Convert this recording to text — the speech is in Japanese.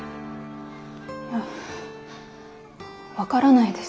分からないです。